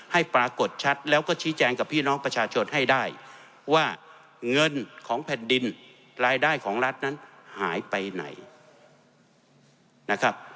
ให้ปรากฏชัดแล้วก็ชี้แจงกับพี่น้องประชาชนให้ได้ว่าเงินของแผ่นดินรายได้ของรัฐนั้นหายไปไหนนะครับ